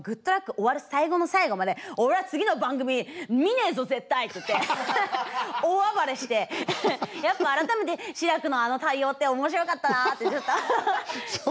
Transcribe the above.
終わる最後の最後まで「俺は次の番組見ねえぞ絶対」って言って大暴れしてやっぱ改めて志らくのあの対応って面白かったなって。